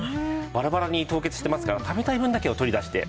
バラバラに凍結してますから食べたい分だけを取り出して。